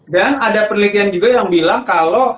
dan ada penelitian juga yang bilang kalau